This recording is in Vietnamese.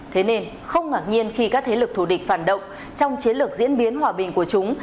thế nên không ngạc nhiên khi các thế lực thù địch phản động trong chiến lược diễn biến hòa bình của chúng